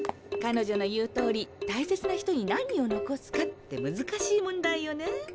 彼女の言うとおり大切な人に何を残すかって難しい問題よね。